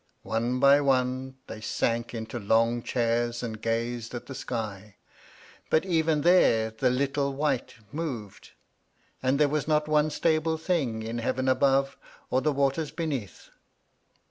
One by one they sank into long chairs and gazed at the sky. But even there the little white moved, and there was not one stable thing in heaven above or the waters be neath.